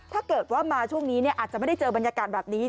ถ้าเกิดว่ามาช่วงนี้อาจจะไม่ได้เจอบรรยากาศแบบนี้